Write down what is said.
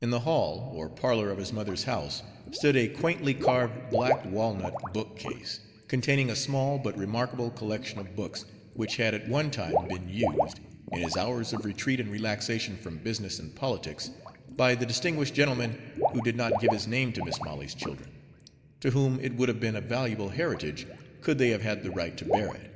In the "hall" or parlor of his mother's house stood a quaintly carved black walnut bookcase, containing a small but remarkable collection of books, which had at one time been used, in his hours of retreat and relaxation from business and politics, by the distinguished gentleman who did not give his name to Mis' Molly's children, to whom it would have been a valuable heritage, could they have had the right to bear it.